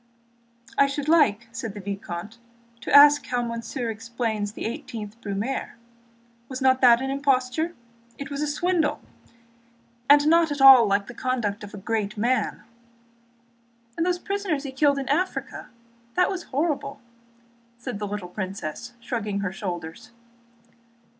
"I should like," said the vicomte, "to ask how monsieur explains the 18th Brumaire; was not that an imposture? It was a swindle, and not at all like the conduct of a great man!" "And the prisoners he killed in Africa? That was horrible!" said the little princess, shrugging her shoulders.